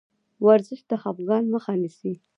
ورزش د خفګان مخه نیسي.